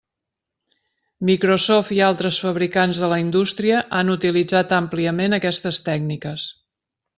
Microsoft i altres fabricants de la indústria han utilitzat àmpliament aquestes tècniques.